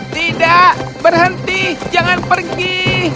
tidak berhenti jangan pergi